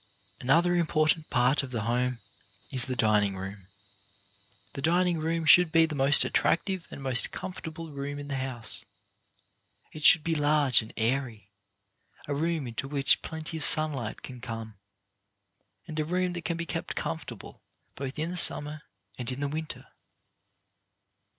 Another important part of the home is the dining room. The dining room should be the most attractive and most comfortable room in the house. It should be large and airy, a room into which plenty of sunlight can come, and a room that can be kept comfortable both in the summer and in the winter.